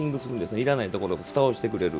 いらないところをふたしてくれる。